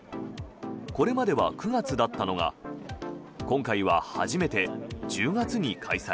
これまでは９月だったのが今回は初めて１０月に開催。